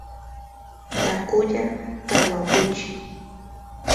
Takuya Kawaguchi